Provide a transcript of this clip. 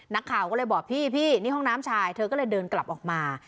นักข่าวก็เลยบอกพี่พี่นี่ห้องน้ำชายเธอก็เลยเดินกลับออกมา